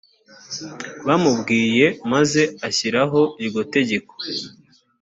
bamubwiye maze ashyiraho iryo tegeko